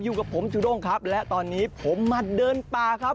อยู่กับผมจูด้งครับและตอนนี้ผมมาเดินป่าครับ